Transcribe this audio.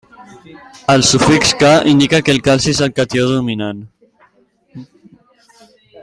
El sufix -Ca indica que el calci és el catió dominant.